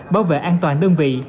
bảo vệ an toàn đơn vị